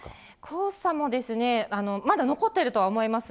黄砂もまだ残ってるとは思います。